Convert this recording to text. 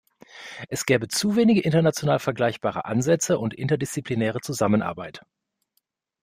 Es gäbe zu wenige international vergleichbare Ansätze und interdisziplinäre Zusammenarbeit.